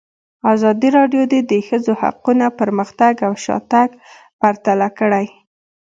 ازادي راډیو د د ښځو حقونه پرمختګ او شاتګ پرتله کړی.